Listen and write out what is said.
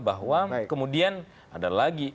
bahwa kemudian ada lagi